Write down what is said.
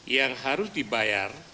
yang harus dibayar